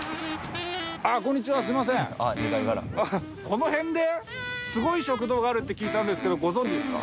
この辺ですごい食堂があるって聞いたんですけどご存じですか？